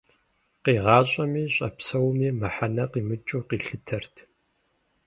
Къигъащӏэми щӏэпсэуми мыхьэнэ къимыкӏыу къилъытэрт.